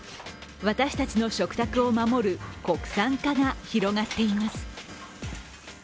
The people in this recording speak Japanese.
私たちの食卓を守る国産化が広がっています。